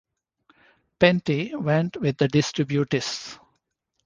Penty went with the distributists.